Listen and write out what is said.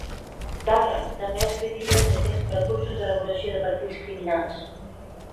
Douglas també ha escrit llibres de text per a cursos d'elaboració de perfils criminals.